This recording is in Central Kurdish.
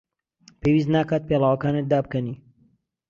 پێویست ناکات پێڵاوەکانت دابکەنی.